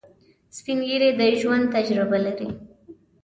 سپین ږیری د ژوند تجربه لري